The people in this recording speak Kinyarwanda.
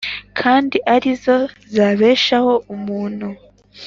kandi ari zo zabeshaho umuntu